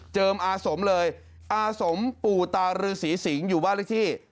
อาสมเลยอาสมปู่ตารือศรีสิงอยู่บ้านเลขที่